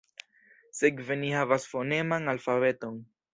Sekve ni havas foneman alfabeton.